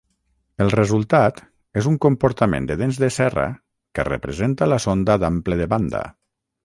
El resultat és un comportament de dents de serra que representa la sonda d'ample de banda.